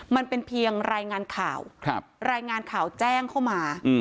มันเป็นเพียงรายงานข่าวรายงานข่าวแจ้งเข้ามา